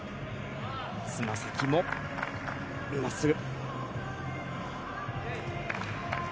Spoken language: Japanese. つま先も真っすぐ。